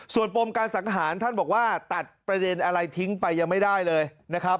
ส่วนปมการสังหารท่านบอกว่าตัดประเด็นอะไรทิ้งไปยังไม่ได้เลยนะครับ